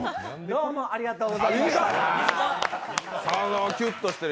どうもありがとうございましたー。